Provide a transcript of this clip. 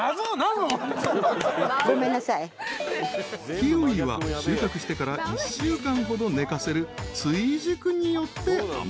［キウイは収穫してから１週間ほど寝かせる追熟によって甘くなる］